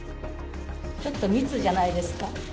ちょっと密じゃないですか。